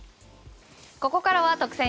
ここからは特選！